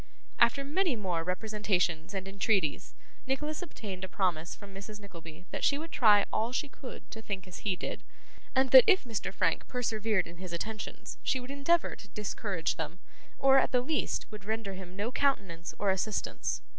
After many more representations and entreaties, Nicholas obtained a promise from Mrs. Nickleby that she would try all she could to think as he did; and that if Mr. Frank persevered in his attentions she would endeavour to discourage them, or, at the least, would render him no countenance or assistance.